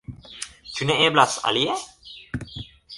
Ĉu ne eblas alie?